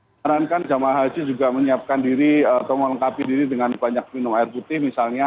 menyarankan jamaah haji juga menyiapkan diri atau melengkapi diri dengan banyak minum air putih misalnya